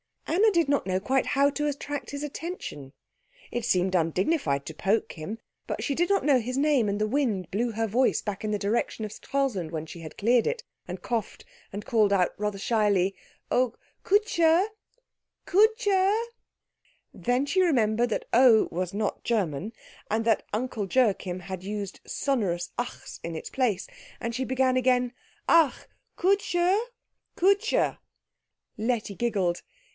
Anna did not quite know how to attract his attention. It seemed undignified to poke him, but she did not know his name, and the wind blew her voice back in the direction of Stralsund when she had cleared it, and coughed, and called out rather shyly, "Oh, Kutscher! Kutscher!" Then she remembered that oh was not German, and that Uncle Joachim had used sonorous achs in its place, and she began again, "Ach, Kutscher! Kutscher!" Letty giggled.